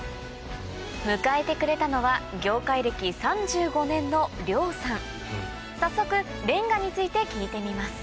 迎えてくれたのは業界歴３５年の早速れんがについて聞いてみます